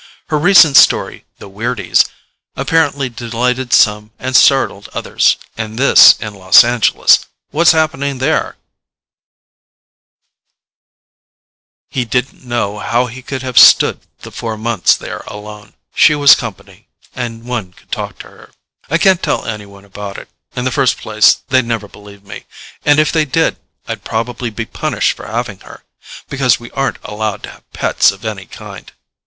Her recent story, THE WEIRDIES, apparently delighted some and startled others and this in Los Angeles! What's happening there?_ no pets allowed by M. A. CUMMINGS He didn't know how he could have stood the four months there alone. She was company and one could talk to her ... I can't tell anyone about it. In the first place, they'd never believe me. And, if they did, I'd probably be punished for having her. Because we aren't allowed to have pets of any kind.